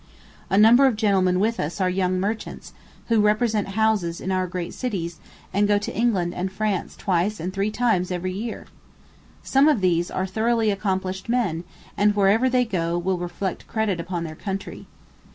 A number of gentlemen with us are young merchants, who represent houses in our great cities, and go to England and France twice and three times every year. Some of these are thoroughly accomplished men, and, wherever they go, will reflect credit upon their country.